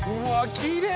きれい！